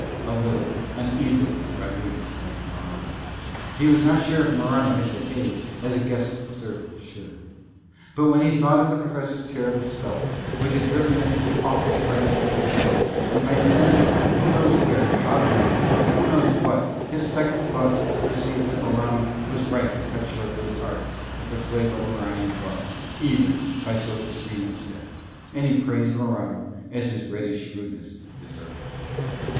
A little uneasily Rodriguez thanked Morano: he was not sure if Morano had behaved as a guest's servant should. But when he thought of the Professor's terrible spells, which had driven them to the awful crags of the sun, and might send them who knows where to hob nob with who knows what, his second thoughts perceived that Morano was right to cut short those arts that the Slave of Orion loved, even by so extreme a step: and he praised Morano as his ready shrewdness deserved.